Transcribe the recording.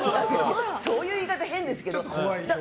そういう言い方は変ですけど。